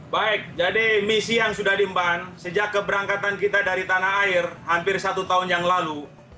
baik jadi misi yang sudah diemban sejak keberangkatan kita dari tanah air hampir satu tahun yang lalu